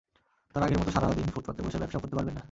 তাঁরা আগের মতো সারা দিন ফুটপাতে বসে ব্যবসাও করতে পারবেন না।